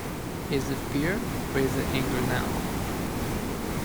Is it fear or is it anger now?